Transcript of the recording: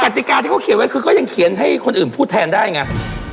ติกาที่เขาเขียนไว้คือก็ยังเขียนให้คนอื่นพูดแทนได้ไง